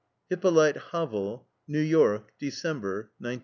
HIPPOLYTE HAVEL. New York, December, 1910.